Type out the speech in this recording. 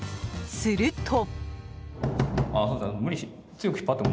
すると。